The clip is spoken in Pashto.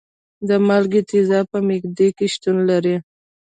د مالګې تیزاب په معده کې شتون لري.